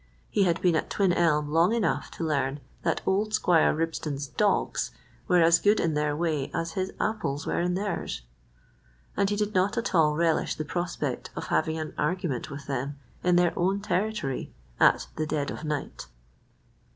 He had been at Twin Elm long enough to learn that old Squire Ribston's dogs were as good in their way as his apples were in theirs, and he did not at all relish the prospect of having an argument with them in their own territory at the dead of night.